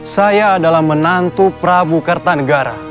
saya adalah menantu prabu kertanegara